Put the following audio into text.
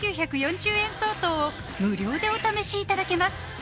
５９４０円相当を無料でお試しいただけます